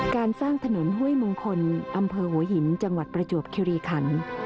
การสร้างถนนห้วยมงคลอำเภอหัวหินจังหวัดประจวบคิริขัน